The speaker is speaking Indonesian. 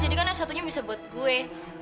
jadi kan yang satunya bisa buat gue